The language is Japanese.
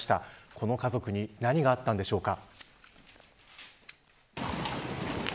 この家族に何があったんでしょうか。